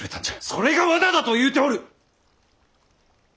それが罠だと言うておる！